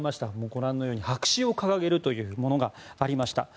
ご覧のように白紙を掲げるものがありました。